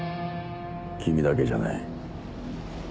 君だけじゃない。